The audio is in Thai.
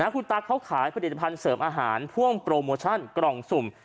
คุณตั๊กเขาขายผลิตภัณฑ์เสริมอาหารพ่วงโปรโมชั่นกล่องสุ่ม